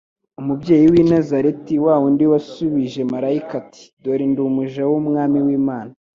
umubyeyi w'i Nazareti, wa wundi washubije Marayika ati, '' Dore ndi umuja w'Umwami Imana,